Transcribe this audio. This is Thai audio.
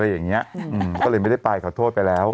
อะไรอย่างนี้ก็เลยไม่ได้ไปขอโทษไปแล้ว